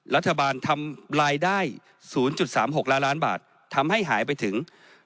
รัฐบาลทำรายได้๐๓๖ล้านล้านบาททำให้หายไปถึง